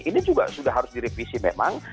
ini juga sudah harus direvisi memang